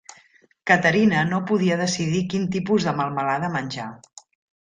Katerina no podia decidir quin tipus de melmelada menjar.